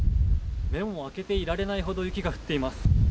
目を開けていられないほど雪が降っています。